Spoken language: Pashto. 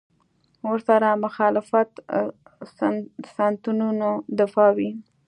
ورسره مخالفت سنتونو دفاع وي.